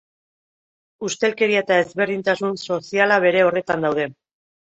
Ustelkeria eta ezberdintasun soziala bere horretan daude.